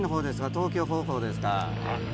東京方向ですか？